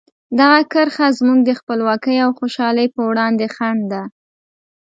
دغه کرښه زموږ د خپلواکۍ او خوشحالۍ په وړاندې خنډ ده.